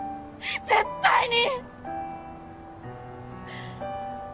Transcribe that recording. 絶対に！！